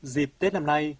dịp tết năm nay